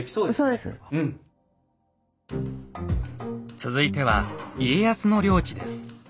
続いては家康の領地です。